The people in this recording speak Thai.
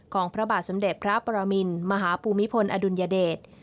พระบาทสมเด็จพระปรมินมหาภูมิพลอดุลยเดช